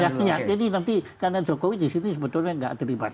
jadi nanti karena jokowi di sini sebetulnya nggak terlibat